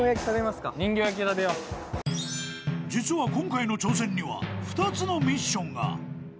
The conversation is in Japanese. ［実は今回の挑戦には２つのミッションが］